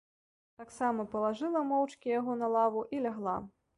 Таксама палажыла моўчкі яго на лаву і лягла.